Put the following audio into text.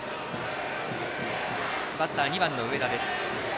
バッター、２番の上田です。